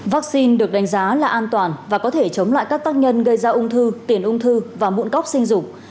vaccine được đánh giá là an toàn và có thể chống lại các tác nhân gây ra ung thư tiền ung thư và mụn cóc sinh dục